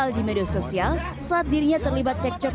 viral di media sosial saat dirinya terlibat cekcok